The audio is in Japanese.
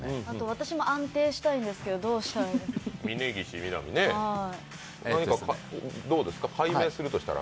私も安定したいんですけど、どうしたら？